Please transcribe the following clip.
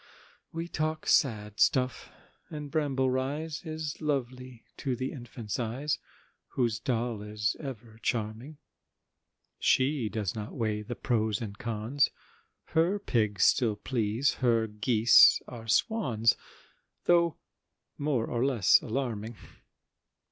We talk sad stuff,—and Bramble Rise Is lovely to the infant's eyes, Whose doll is ever charming; She does not weigh the pros and cons, Her pigs still please, her geese are swans, Though more or less alarming!